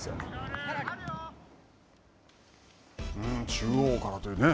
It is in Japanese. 中央からというね。